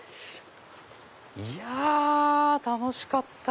いや楽しかった！